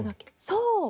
そう！